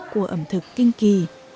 của ẩm thực kinh kỳ